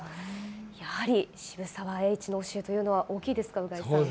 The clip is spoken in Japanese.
やはり渋沢栄一の教えというのは大きいですか。